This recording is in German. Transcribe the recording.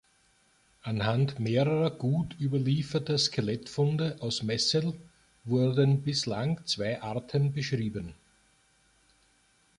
Anhand mehrerer gut überlieferter Skelettfunde aus Messel wurden bislang zwei Arten beschrieben.